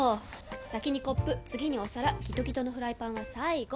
先にコップ次にお皿ギトギトのフライパンは最後！